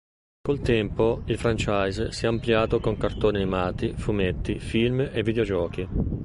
Col tempo il franchise si è ampliato con cartoni animati, fumetti, film e videogiochi.